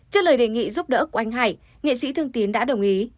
trước lời đề nghị giúp đỡ của anh hải nghệ sĩ thương tiến đã đồng ý